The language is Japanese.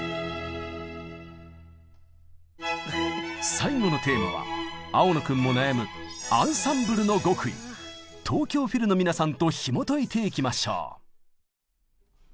最後のテーマは青野君も悩む東京フィルの皆さんとひもといていきましょう！